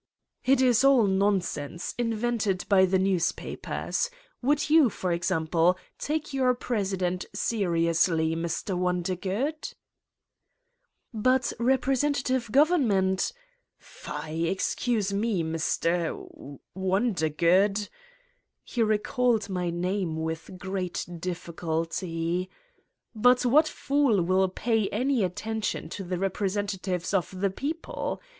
"It is all nonsense, invented by the newspapers. Would you, for example, take your president seriously, Mr. Wondergood?" "But representative government ..." "Fi! Excuse me, Mr. Wondergood (he recalled my name with great difficulty) but what fool will pay any attention to the representatives of the people?